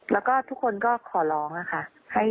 แล้วก็ทุกคนก็ขอร้องค่ะ